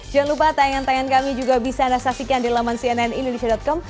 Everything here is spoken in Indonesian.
jangan lupa tayangan tayangan kami juga bisa anda saksikan di laman cnnindonesia com